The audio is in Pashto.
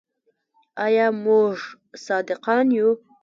آیا موږ صادقان یو؟